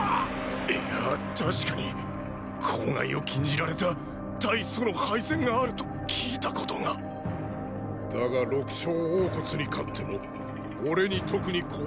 いやたしかに口外を禁じられた対楚の敗戦があると聞いたことがだが六将・王に勝っても俺に特に高揚はなかった。